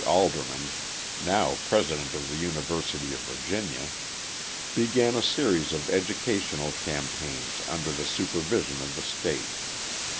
Alderman, now president of the University of Virginia, began a series of educational campaigns under the supervision of the state.